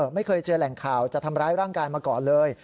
ไม่เคยเจอแหล่งข่าวจะทำร้ายร่างกายมาก่อนเลย